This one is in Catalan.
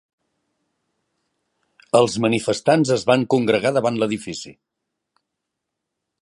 Els manifestants es van congregar davant l'edifici